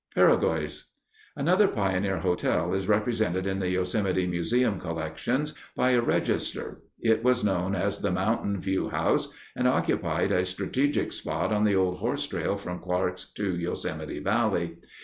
Peregoy's Another pioneer hotel is represented in the Yosemite Museum collections by a register. It was known as the Mountain View House and occupied a strategic spot on the old horse trail from Clark's to Yosemite Valley.